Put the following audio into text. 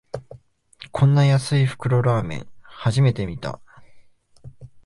こんな安い袋ラーメン、初めて見た